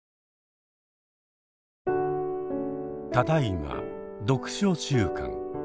ただいま読書週間。